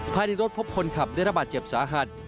ภายในรถพบคนขับได้ระบาดเจ็บสาหัส